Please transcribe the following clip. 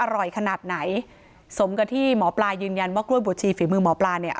อร่อยขนาดไหนสมกับที่หมอปลายืนยันว่ากล้วยบวชชีฝีมือหมอปลาเนี่ย